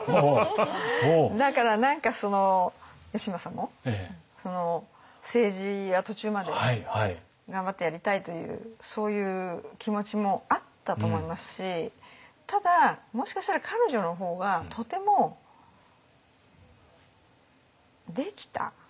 だから何かその義政も政治は途中まで頑張ってやりたいというそういう気持ちもあったと思いますしただもしかしたら彼女の方がとてもできた。